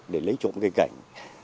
để lấy trộm cây cảnh